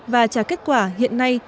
và trả kết quả hiện nay